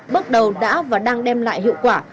bước đầu đã và đang đem lại hiệu quả